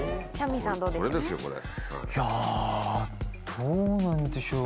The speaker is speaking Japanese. いやどうなんでしょう？